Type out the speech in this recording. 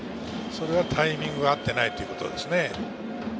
タイミングが合っていないということです。